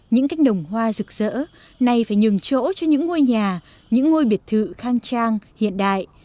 những cánh đồng hoa rực rỡ này phải nhường chỗ cho những ngôi nhà những ngôi biệt thự khang trang hiện đại